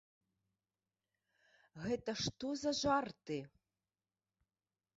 Гэта што за жарты?